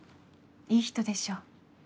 いい人でしょ？